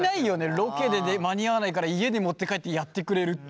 ロケで間に合わないから家に持って帰ってやってくれるって。